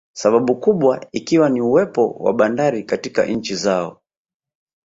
Sababu kubwa ikiwa ni uwepo wa bandari katika nchi zao